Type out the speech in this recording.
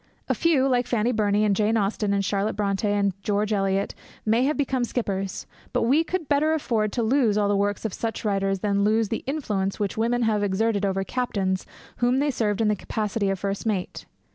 A few, like Fanny Burney and Jane Austen and Charlotte Brontë and George Eliot, may have become skippers; but we could better afford to lose all the works of such writers than lose the influence which women have exerted over captains whom they served in the capacity of first mate.